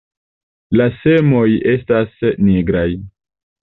La semoj estas nigraj.